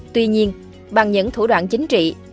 tuy nhiên bằng những thủ đoạn chính phi